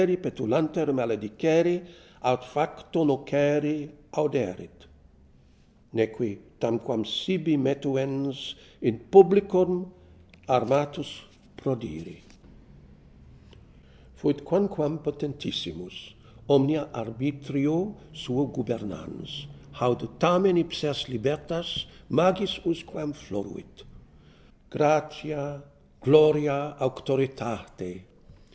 petulanter maledicere, Aut facto nocere auderet ; Neque, tanquam sibi metuens, In publicum armatus prodire. FTJIT quanquam potentissimus, Omnia arbitrio suo gubernans : Haud tamen ipsa libertas Magis usquam floruit Gratia, gloria, auctoritate.